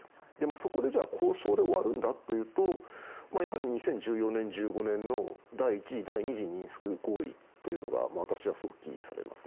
そこで交渉で終わるんだというとやはり２０１４年、１５年の第１次、第２次ミンスク合意というのが私は想起されますね。